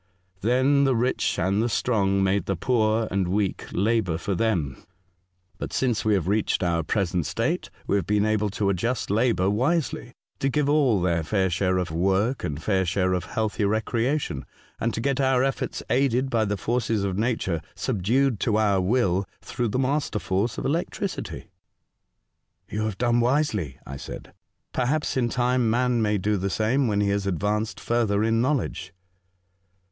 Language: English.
Then tlie ricb and the strong made the poor and weak labour for them ; but since we have reached our present state, we have been able to adjust labour wisely, to give all their fair share of work and fair share of healthy recreation, and to get our efforts aided by the forces of nature subdued to our will through the master force of elec tricity." '* You have done wisely," I said. '^ Perhaps in time man may do the same, when he ha& advanced further in knowledge."